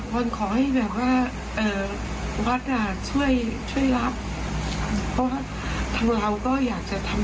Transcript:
วันอะไรวันอาทิตย์อย่างนี้เข้าไปกอดเขาเลยไปบอกเขาว่า